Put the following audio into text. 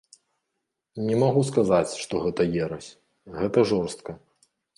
Не магу сказаць, што гэта ерась, гэта жорстка.